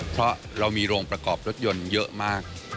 เพราะเรามีโรงประกอบรถยนต์เยอะมาก